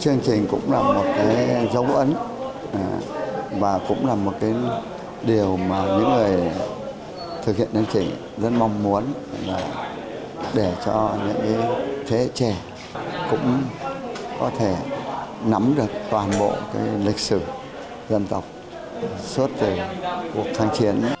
chương trình cũng là một cái dấu ấn và cũng là một cái điều mà những người thực hiện chương trình rất mong muốn để cho những thế trẻ cũng có thể nắm được toàn bộ lịch sử dân tộc suốt cuộc tháng chiến